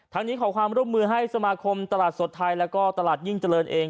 นี้ขอความร่วมมือให้สมาคมตลาดสดไทยแล้วก็ตลาดยิ่งเจริญเอง